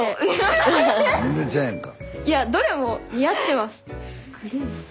全然ちゃうやんか。